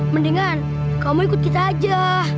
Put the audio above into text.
mendingan kamu ikut kita aja